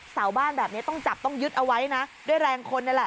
สาวบ้านแบบนี้ต้องจับต้องยึดเอาไว้นะด้วยแรงคนนี่แหละ